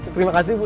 terima kasih bu